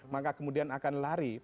maka kemudian akan lakukan penyelidikan